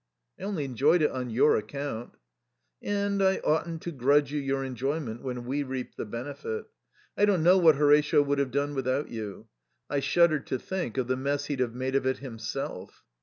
"I only enjoyed it on your account." "And I oughtn't to grudge you your enjoyment when we reap the benefit. I don't know what Horatio would have done without you. I shudder to think of the mess he'd have made of it himself."